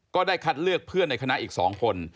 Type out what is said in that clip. ก็ได้คัดเลือกเพื่อนในคณะอีก๒คน